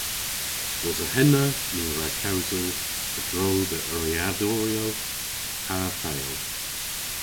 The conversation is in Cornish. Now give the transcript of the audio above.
"Wosa henna, ni a wra kewsel a-dro dhe euryadoryow ha feow."